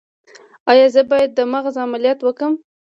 ایا زه باید د مغز عملیات وکړم؟